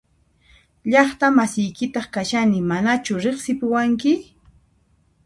Llaqta masiykitaq kashani ¿Manachu riqsipuwanki?